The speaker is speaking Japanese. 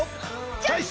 チョイス！